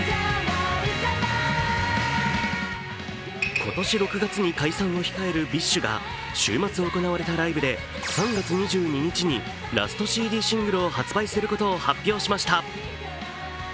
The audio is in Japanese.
今年６月に解散を控えるＢｉＳＨが週末行われたライブで３月２２日にラストＣＤシングルを発売することを発表しました。